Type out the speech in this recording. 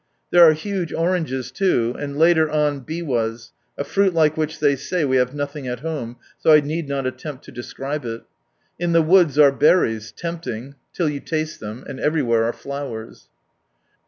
There are huge oranges too, and later on " Biwas," a fruit like which they say we have nothing at home, so I need not attempt to de scribe it. In the woods are berries, tempting— till you taste them, and everywhere are flowers.